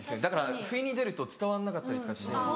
だから不意に出ると伝わんなかったりとかして。